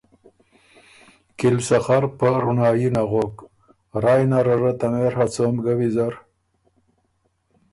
کی ل سخر په رونړايي نغوک۔ رایٛ نره ره ته مېڒ ا څوم ګۀ ویزر